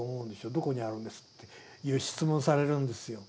どこにあるんです？」っていう質問されるんですよ。